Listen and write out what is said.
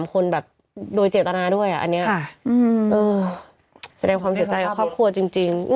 ชนจนล้อบิดขนาดเนี่ย